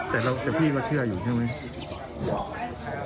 แต่พี่ก็เชื่ออยู่ใช่ไหม